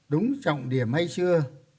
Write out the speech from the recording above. đúng trọng điểm hay chưa